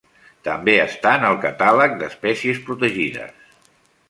També està en el catàleg d’espècies protegides.